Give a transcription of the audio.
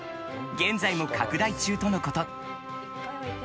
現在も拡大中とのこと。